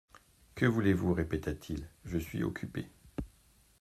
Que voulez vous ? répéta-t-il ; je suis occupé.